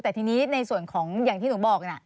แต่ทีนี้ในส่วนของอย่างที่หนูบอกนะ